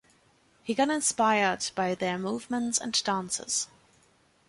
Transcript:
He got inspired by their movements and dances.